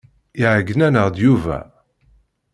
Iɛeyyen-aneɣ-d Yuba.